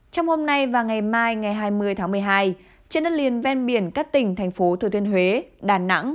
trong hôm nay và ngày mai ngày hai mươi tháng một mươi hai trên đất liền ven biển các tỉnh thành phố thừa thiên huế đà nẵng